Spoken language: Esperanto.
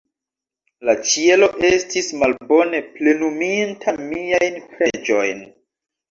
La Ĉielo estis malbone plenuminta miajn preĝojn.